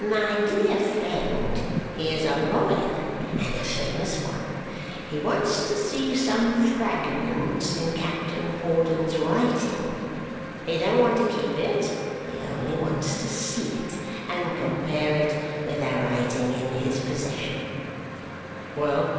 "My dear friend, he is a lawyer, and a famous one. He wants to see some fragment in Captain Hawdon's writing. He don't want to keep it. He only wants to see it and compare it with a writing in his possession." "Well?"